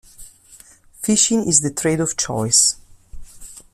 Fishing is the trade of choice.